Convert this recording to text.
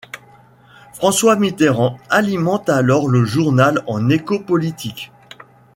François Mitterrand alimente alors le journal en échos politiques.